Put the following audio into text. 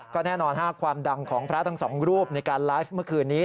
ก็แน่นอนความดังของพระทั้งสองรูปในการไลฟ์เมื่อคืนนี้